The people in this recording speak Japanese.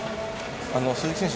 鈴木選手